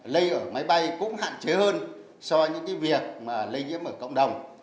lây ở máy bay cũng hạn chế hơn so với những việc mà lây nhiễm ở cộng đồng